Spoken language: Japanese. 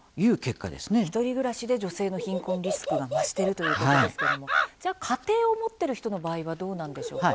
１人暮らしで女性の貧困リスクが増しているということですけれどもじゃあ、家庭を持っている人の場合はどうなんでしょうか？